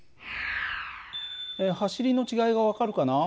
走りの違いが分かるかな。